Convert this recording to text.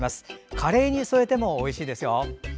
カレーにも添えてもおいしいです。